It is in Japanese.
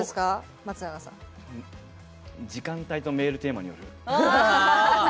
時間帯とメールテーマによる。